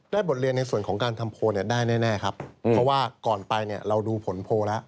บทเรียนในส่วนของการทำโพลเนี่ยได้แน่ครับเพราะว่าก่อนไปเนี่ยเราดูผลโพลแล้ว